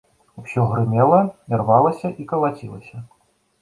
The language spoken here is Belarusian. Усё грымела, ірвалася і калацілася.